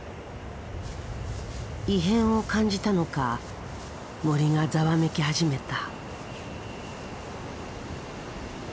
異変を感じたのか森がざわめき始めた。